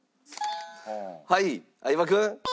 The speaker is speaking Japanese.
はい相葉君。